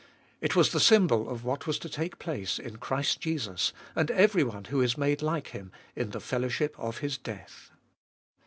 It was the symbol of what was to take place in Christ Jesus and everyone who is made like Him in the fellowship of His death.